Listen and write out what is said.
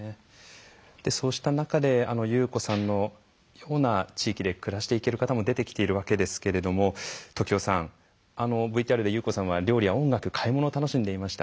そうした中で優子さんのような地域で暮らしていける方も出てきているわけですけども時男さん、ＶＴＲで優子さんは料理や音楽、買い物を楽しんでいました。